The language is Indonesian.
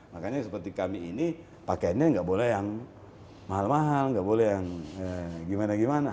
makanya seperti kami ini pakaiannya nggak boleh yang mahal mahal nggak boleh yang gimana gimana